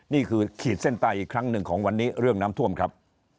ขีดเส้นใต้อีกครั้งหนึ่งของวันนี้เรื่องน้ำท่วมครับ